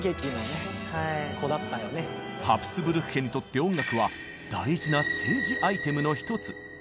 ハプスブルク家にとって音楽は大事な政治アイテムの一つ。